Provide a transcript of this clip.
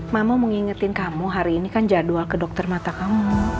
mama mengingatkan kamu hari ini kan jadwal ke dokter mata kamu